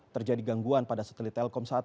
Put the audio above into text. terjadi gangguan pada setelit telkom i